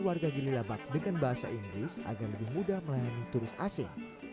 keluarga gili labak dengan bahasa inggris agar lebih mudah melayani turut asing